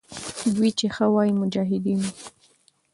دوی چې ښه وایي، مجاهدین وو.